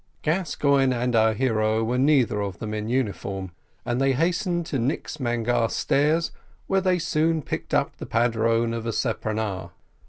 Gascoigne and our hero were neither of them in uniform, and they hastened to Nix Mangare stairs where they soon picked up the padrone of a speronare.